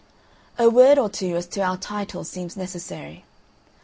A word or two as to our title seems necessary.